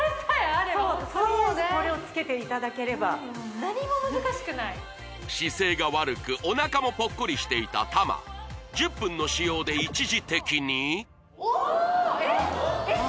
とりあえずこれをつけていただければ何も難しくない姿勢が悪くおなかもポッコリしていた玉１０分の使用で一時的にうわえっえっ